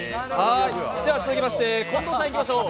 続きまして近藤さんいきましょう。